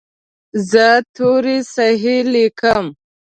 زه توري صحیح لیکم.